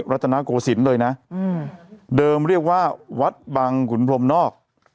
รัฐนาโกศิลป์เลยนะเดิมเรียกว่าวัดบังขุนพรมนอก